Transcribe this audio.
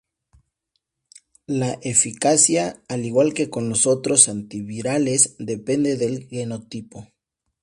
La eficacia, al igual que con los otros antivirales, depende del genotipo.